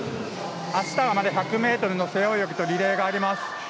あしたはまだ１００ｍの背泳ぎとリレーがあります。